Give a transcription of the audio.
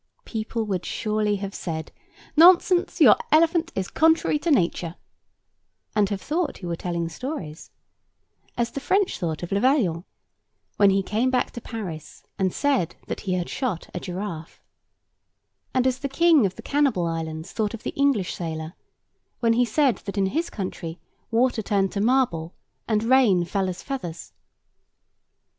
People would surely have said, "Nonsense; your elephant is contrary to nature;" and have thought you were telling stories—as the French thought of Le Vaillant when he came back to Paris and said that he had shot a giraffe; and as the king of the Cannibal Islands thought of the English sailor, when he said that in his country water turned to marble, and rain fell as feathers.